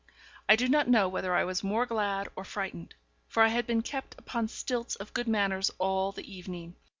I do not know whether I was more glad or frightened, for I had been kept upon stilts of good manners all the evening.